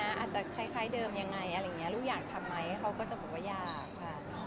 อาจจะคล้ายเดิมยังไงอะไรอย่างนี้ลูกอยากทำไหมเขาก็จะบอกว่าอยากค่ะ